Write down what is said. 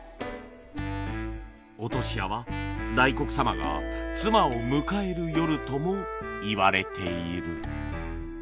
お歳夜は大黒様が妻を迎える夜とも言われている